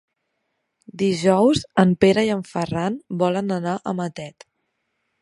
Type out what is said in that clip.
Dijous en Pere i en Ferran volen anar a Matet.